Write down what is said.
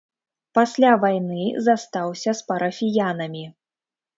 Пасля вайны застаўся з парафіянамі.